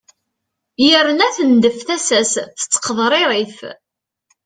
yerna tneddef tasa-s tettqeḍririf